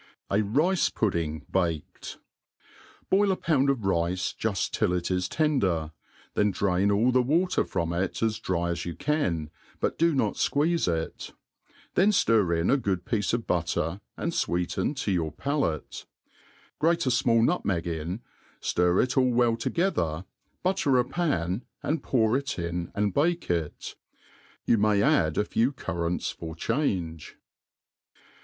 '>> 7 ^ Bdce RudSng.ialsfif,! BOIL a pound of ri^e juft: tiirit is tender ; iben Hrain all the water from it as dry as you can, but do liot fquee^e it i theh ftir in a, good piece of butter, and fweeten to your palate« Grate a fmali nutmeg in, ftir it all well together, butter a pan, and pQur it in and bake it. You may add a few currants for . change.